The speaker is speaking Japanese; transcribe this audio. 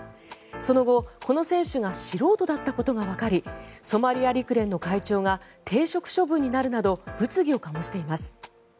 その後、この選手が素人だったことがわかりソマリア陸連の会長が停職処分になるなど物議を醸しています。